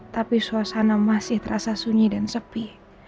tapi suasana masih terasa sunyi dan sepi